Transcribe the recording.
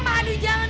ma aduh jangan